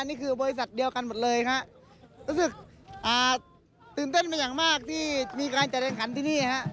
นี่คือบริษัทเดียวกันหมดเลยฮะรู้สึกอ่าตื่นเต้นเป็นอย่างมากที่มีการจัดแรงขันที่นี่ฮะ